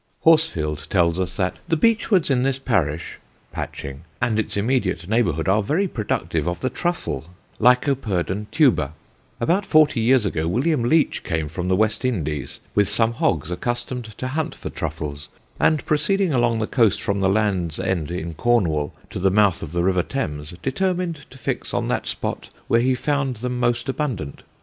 Horsfield tells us that "the beechwoods in this parish [Patching] and its immediate neighbourhood are very productive of the Truffle (Lycoperdon tuber). About forty years ago William Leach came from the West Indies, with some hogs accustomed to hunt for truffles, and proceeding along the coast from the Land's End, in Cornwall, to the mouth of the River Thames, determined to fix on that spot where he found them most abundant.